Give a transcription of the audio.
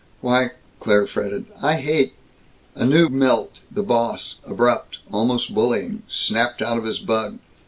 "Why," Claire fretted, "I hate " A new Milt, the boss, abrupt, almost bullying, snapped out of his bug.